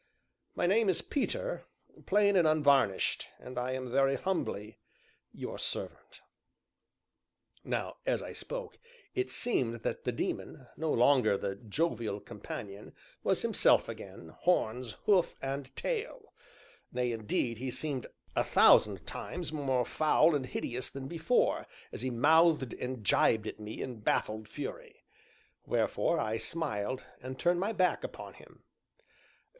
My name is Peter, plain and unvarnished, and I am very humbly your servant." Now as I spoke, it seemed that the Daemon, no longer the jovial companion, was himself again, horns, hoof, and tail nay, indeed, he seemed a thousand times more foul and hideous than before, as he mouthed and jibed at me in baffled fury; wherefore, I smiled and turned my back upon him.